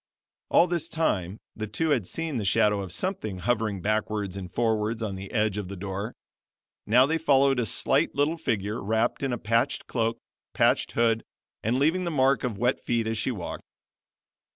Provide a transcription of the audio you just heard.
All this time the two had seen the shadow of something hovering backwards and forwards on the edge of the door; now they followed a slight little figure, wrapped in a patched cloak, patched hood, and leaving the mark of wet feet as she walked.